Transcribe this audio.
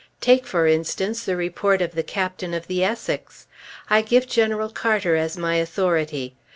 Take, for instance, the report of the Captain of the Essex. I give General Carter as my authority.